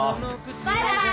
バイバイ！